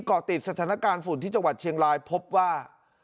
เกาะติดสถานการณ์ฝุ่นที่จังหวัดเชียงรายพบว่า